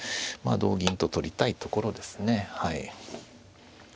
同銀と取りたいところですねはい。